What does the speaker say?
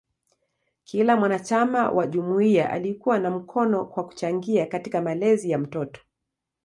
Kila mwanachama wa jumuiya alikuwa na mkono kwa kuchangia katika malezi ya mtoto.